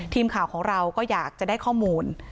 ทีมข่าวของเราก็อยากจะได้ข้อมูล